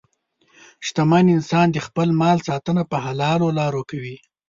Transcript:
شتمن انسان د خپل مال ساتنه په حلالو لارو کوي.